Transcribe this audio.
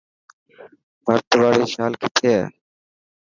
ڀرت واري شال ڪٿي هي.